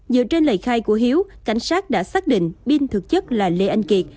dựa trên lời khai của hiếu cảnh sát đã xác định binh thực chất là lê anh kiệt